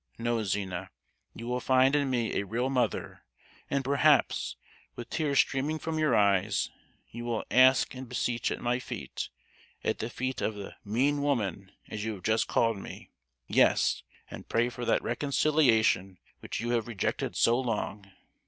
No, Zina, you will find in me a real mother; and perhaps, with tears streaming from your eyes, you will ask and beseech at my feet—at the feet of the 'mean woman,' as you have just called me,—yes, and pray for that reconciliation which you have rejected so long!